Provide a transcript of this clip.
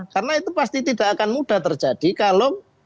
karena itu pasti tidak akan mudah terjadi kalau